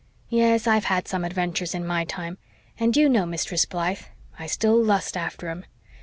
Yes, I've had some adventures in my time; and, do you know, Mistress Blythe, I still lust after 'em.